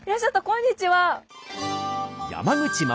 こんにちは。